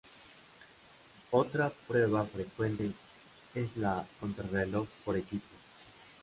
Otra prueba frecuente es la contrarreloj por equipos.